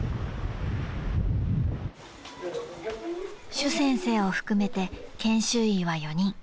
［朱先生を含めて研修医は４人］